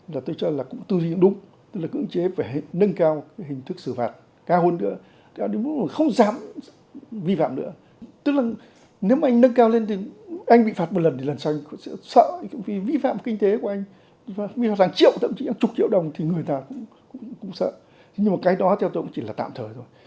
nhưng mà cái đó theo tôi cũng chỉ là tạm thời rồi